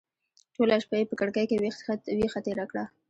ټوله شپه یې په کړکۍ کې ویښه تېره کړه.